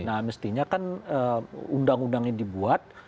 nah mestinya kan undang undang ini dibuat